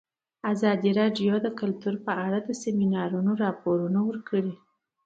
ازادي راډیو د کلتور په اړه د سیمینارونو راپورونه ورکړي.